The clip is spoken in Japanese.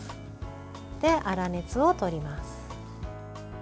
で、粗熱をとります。